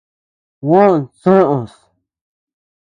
Juó soʼös.